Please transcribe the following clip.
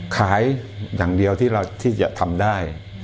ขายอย่างเดียวที่จะทำได้